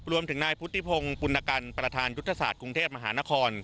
รวมถึงนายพุทธิพงศ์ปุณกันประธานยุทธศาสตร์กรุงเทพมหานคร